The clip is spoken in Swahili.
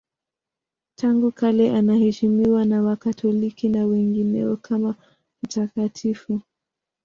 Tangu kale anaheshimiwa na Wakatoliki na wengineo kama mtakatifu.